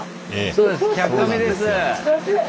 そうです「１００カメ」です！